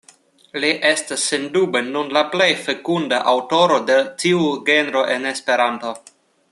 Li estas sendube nun la plej fekunda aŭtoro de tiu genro en Esperanto.